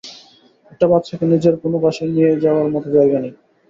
একটা বাচ্চাকে নিজের কোন পাশেই নিয়ে যাওয়ার মত জায়গা নেই।